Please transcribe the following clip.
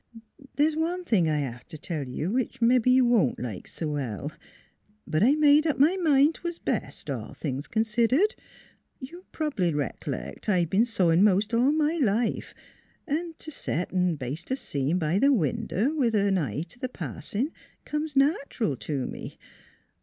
' There is one thing I have to tell you which mebbe you wont like so well. But I made up my mind twas best, all things considered. You probly reclect I been sewing most all my life & to set and baste a seam by the window, with an eye to the passing, comes natural to me.